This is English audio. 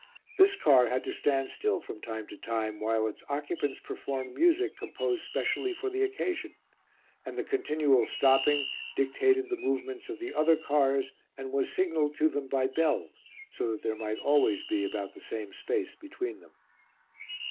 This car had to stand still from time to time while its occupants performed music composed specially for the occasion, and the continual stopping dictated the movements of the other cars and was signalled to them by bells, so that there might always be about the same space between them.